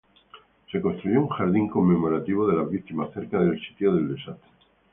Se construyó un jardín conmemorativo de las víctimas cerca del sitio de desastre.